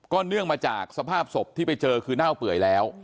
เนื่องมาจากสภาพศพที่ไปเจอคือเน่าเปื่อยแล้ว